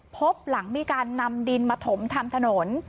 พบหลังมีการนำดินมาถมทำถนน